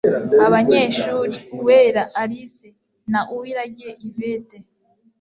abanyeshuri uwera alice na uwiragiye yvette